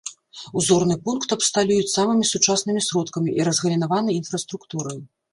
Узорны пункт абсталююць самымі сучаснымі сродкамі і разгалінаванай інфраструктурай.